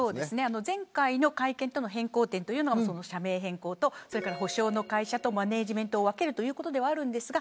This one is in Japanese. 前回の会見との変更点は社名変更と補償の会社とマネジメントを分けるということではあるんですが